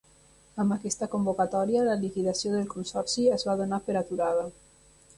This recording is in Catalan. Amb aquesta convocatòria la liquidació del consorci es va donar per aturada.